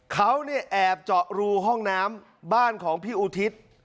เขาเนี่ยแอบเจาะรูห้องน้ำบ้านของพี่อุทิศ